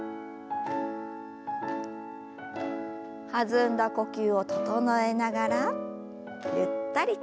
弾んだ呼吸を整えながらゆったりと。